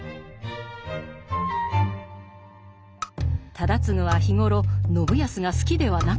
忠次は日頃信康が好きではなかった。